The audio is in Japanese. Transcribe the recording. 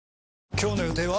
今日の予定は？